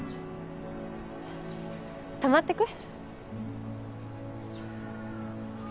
泊まってく？